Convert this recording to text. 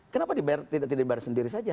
kenapa tidak dibayar sendiri saja